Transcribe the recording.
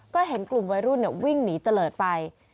ก็เห็นกลุ่มวัยรุ่นวิ่งหนีเจริญไป